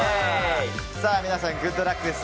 皆さん、グッドラックです。